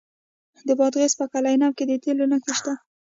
د بادغیس په قلعه نو کې د تیلو نښې شته.